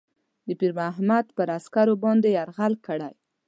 د پیرمحمد پر عسکرو باندي یرغل کړی.